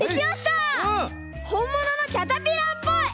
ほんもののキャタピラーっぽい！